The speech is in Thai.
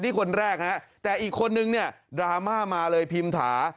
นี่คนแรกฮะแต่อีกคนนึงเนี่ยดราม่ามาเลยพิมถา